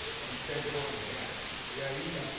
いやいいですよ。